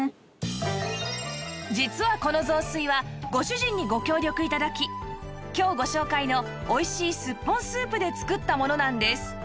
実はこの雑炊はご主人にご協力頂き今日ご紹介の美味しいすっぽんスープで作ったものなんです